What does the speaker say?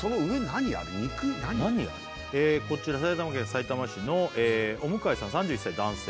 何こちら埼玉県さいたま市のおむかいさん３１歳男性